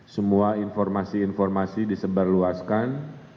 semua informasi informasi disebarluaskan